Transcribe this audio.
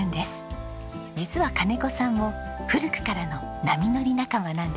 実は金子さんも古くからの波乗り仲間なんです。